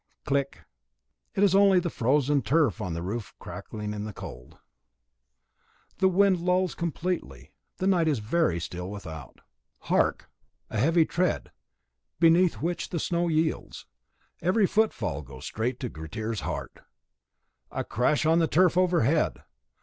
click! It is only the frozen turf on the roof cracking with the cold. The wind lulls completely. The night is very still without. Hark! a heavy tread, beneath which the snow yields. Every footfall goes straight to Grettir's heart. A crash on the turf overhead!